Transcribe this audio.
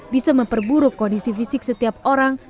bisa memperburuk kondisi fisik setiap orang